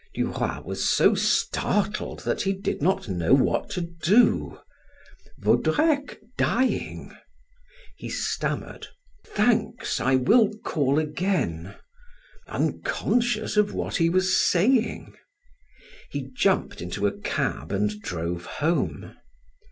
Du Roy was so startled he did not know what to do! Vaudrec dying! He stammered: "Thanks I will call again" unconscious of what he was saying. He jumped into a cab and drove home.